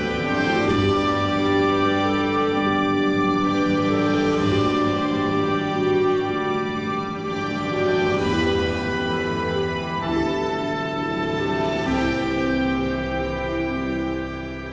เพื่อรักษาชนของลูกพ่อ